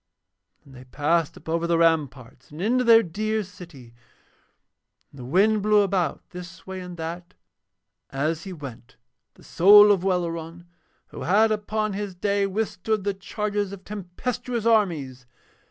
Then they passed up over the ramparts and into their dear city. And the wind blew about, this way and that, as he went, the soul of Welleran who had upon his day withstood the charges of tempestuous armies.